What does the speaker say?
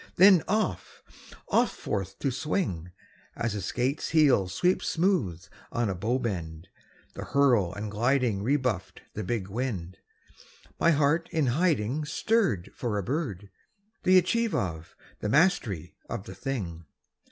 then off, off forth on swing, As a skate's heel sweeps smooth on a bow bend: the hurl and gliding Rebuffed the big wind. My heart in hiding Stirred for a bird, the achieve of, the mastery of the thing!